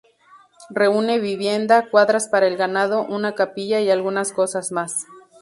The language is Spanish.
Reúne vivienda, cuadras para el ganado, una capilla y algunas cosas más.